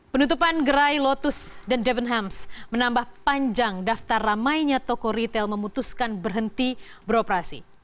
penutupan gerai lotus dan debenhams menambah panjang daftar ramainya toko retail memutuskan berhenti beroperasi